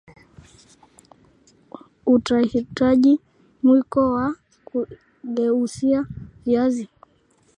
Utahitaji Mwiko wa kugeuzia viazi